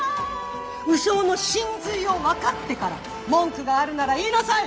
鵜匠の神髄を分かってから文句があるなら言いなさい！